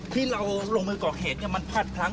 ที่เราลงมือกรอบเหตุมันพราดที่ครั้ง